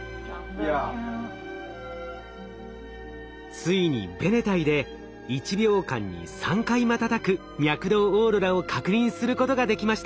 ついにベネタイで１秒間に３回瞬く脈動オーロラを確認することができました。